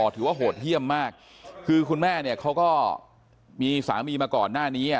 ถือว่าโหดเยี่ยมมากคือคุณแม่เนี่ยเขาก็มีสามีมาก่อนหน้านี้